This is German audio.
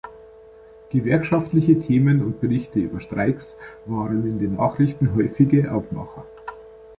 Gewerkschaftliche Themen und Berichte über Streiks waren in den Nachrichten häufige Aufmacher.